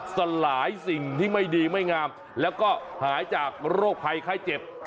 สลายสิ่งที่ไม่ดีไม่งามแล้วก็หายจากโรคภัยไข้เจ็บ